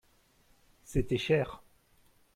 C'était cher.